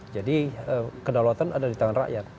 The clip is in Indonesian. jadi kedaulatan ada di tangan rakyat